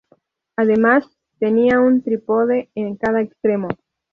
Además, tenía un trípode en cada extremo.